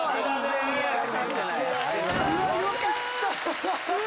よかった！